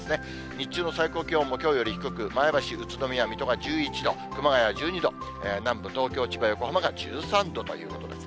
日中の最高気温もきょうより低く、前橋、宇都宮、水戸が１１度、熊谷１２度、南部、東京、千葉、横浜が１３度ということです。